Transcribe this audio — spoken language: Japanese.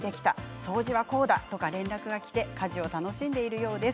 掃除はこうだとか連絡がきて家事を楽しんでいるようです。